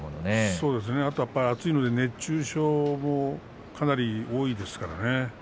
そうですね、暑いので熱中症もかなり多いですからね。